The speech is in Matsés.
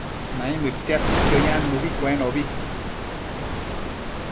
naimëdtiadtsëcquio yannubi cuenobi